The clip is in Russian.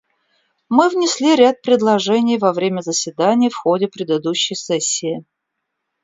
Мы внесли ряд предложений во время заседаний в ходе предыдущей сессии.